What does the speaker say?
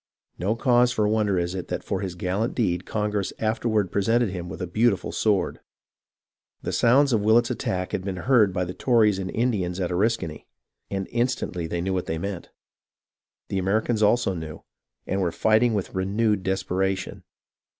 No cause for wonder is it that for his gallant deed Congress afterward presented him with a beautiful sword. The sounds of Willett's attack had been heard by the Tories and Indians at Oriskany, and instantly they knew what they meant. The Americans also knew, and were fighting with renewed desperation.